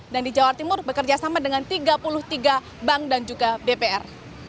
dan di jawa timur bekerjasama dengan tiga puluh tiga bank dan juga bpr